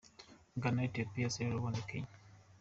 Ghana, Ethiopia, Sierra Leone, Kenya